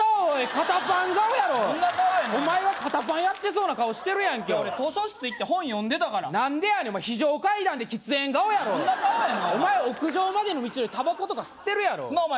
肩パン顔やろどんな顔やねんお前は肩パンやってそうな顔してるやんけ俺図書室行って本読んでたから何でやねん非常階段で喫煙顔やろどんな顔やねんお前屋上までの道でタバコとか吸ってるやろお前